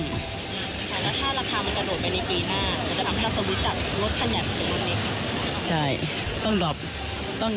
แล้วถ้าราคามันจะโดดไปในปีหน้าจะทำว่าสมมุติจากรถขนยัดขนาดนี้